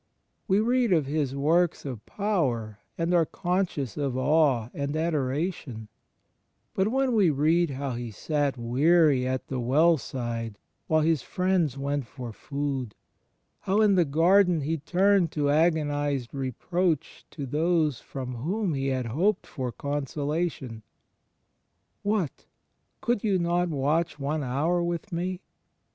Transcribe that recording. We read of His works of power and are conscious of awe and adoration : but when we read how He sat weary at the well side while His friends went for food; how in the Garden, He turned in agonized reproach to those from whom He had hoped for consolation — "What? Could you not watch one hour with Me?"